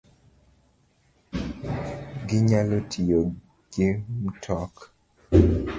Ginyalo tiyo gi mtok